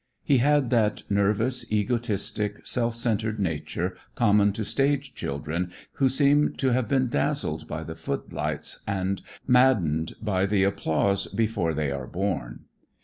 He had that nervous, egotistic, self centered nature common to stage children who seem to have been dazzled by the footlights and maddened by the applause before they are born.